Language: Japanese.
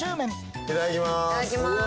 いただきます。